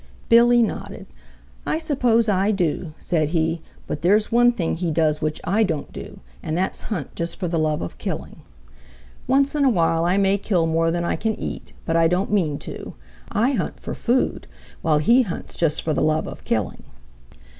Billy nodded. "I suppose I do," said he, "but there's one thing he does which I don't do and that's hunt just for the love of killing. "Once in a while I may kill more than I can eat, but I don't mean to. I hunt for food, while he hunts just for the love of killing."